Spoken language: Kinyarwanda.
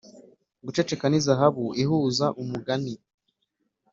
guceceka ni zahabu ihuza umugani